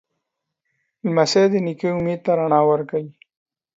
لمسی د نیکه امید ته رڼا ورکوي.